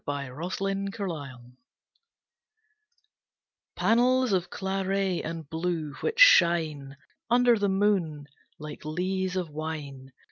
The Exeter Road Panels of claret and blue which shine Under the moon like lees of wine.